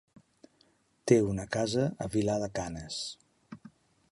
Té una casa a Vilar de Canes.